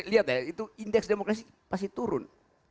lihat ya itu indeks demokrasi pasti turun